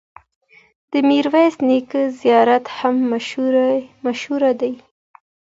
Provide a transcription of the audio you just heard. د میرویس نیکه زیارت هم مشهور دی.